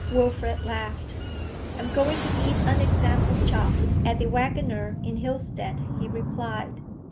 Wilfrid laughed. 'I am going to eat unexampled chops at the "Waggoner" in Hilstead,' he replied.